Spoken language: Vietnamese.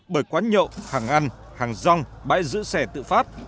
bởi quán nhậu hàng ăn hàng rong bãi giữ xe tự phát